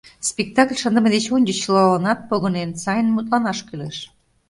Спектакль шындыме деч ончыч чылаланат, погынен, сайын мутланаш кӱлеш.